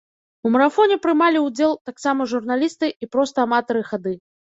У марафоне прымалі ўдзел таксама журналісты і проста аматары хады.